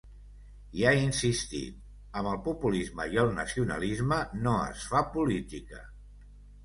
I ha insistit: ‘amb el populisme i el nacionalisme no es fa política’.